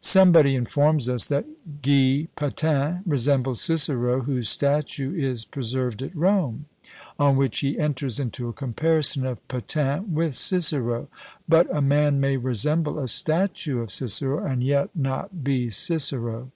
Somebody informs us, that Guy Patin resembled Cicero, whose statue is preserved at Rome; on which he enters into a comparison of Patin with Cicero; but a man may resemble a statue of Cicero, and yet not be Cicero.